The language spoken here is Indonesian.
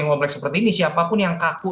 ngomplek seperti ini siapapun yang kaku